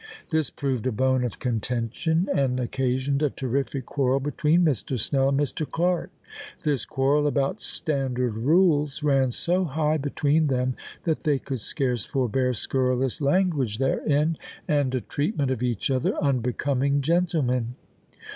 "This proved a bone of contention, and occasioned a terrific quarrel between Mr. Snell and Mr. Clark. This quarrel about 'Standard Rules' ran so high between them, that they could scarce forbear scurrilous language therein, and a treatment of each other unbecoming gentlemen!